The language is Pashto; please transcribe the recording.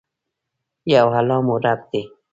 یو الله مو رب دي.